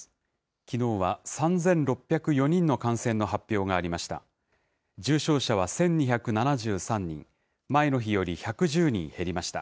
きのうは３６０４人の感染の発表がありました。